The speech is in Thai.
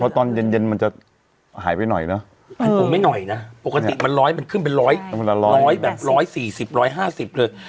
ตอนเย็นมันจะหายไปหน่อยเนอะไม่หน่อยนะปกติมันขึ้นไป๑๐๐๑๔๐๑๕๐เลย